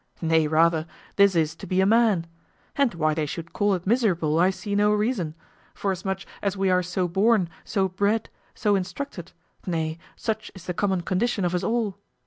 Nay rather, this is to be a man. And why they should call it miserable, I see no reason; forasmuch as we are so born, so bred, so instructed, nay such is the common condition of us all.